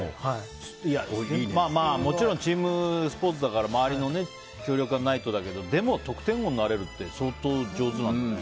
もちろんチームスポーツだから周りの協力がないとだけどでも得点王になれるって相当上手なんだね。